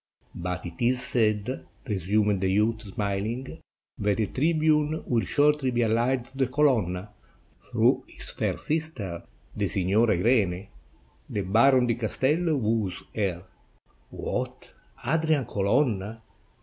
"But it is said," resumed the youth, smiUng, "that the tribune will shortly be alHed to the Colonna, through his fair sister, the Signora Irene. The Baron di Castello woos her." "What, Adrian Colonna!